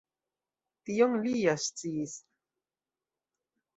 Tion li ja sciis.